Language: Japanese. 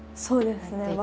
そうですね。